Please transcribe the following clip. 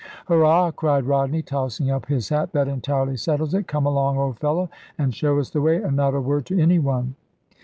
"Hurrah!" cried Rodney, tossing up his hat; "that entirely settles it. Come along, old fellow, and show us the way: and not a word to any one."